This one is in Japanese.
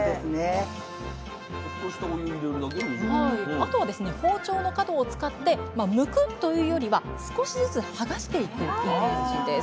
あとはですね包丁の角を使ってむくというよりは少しずつ剥がしていくイメージです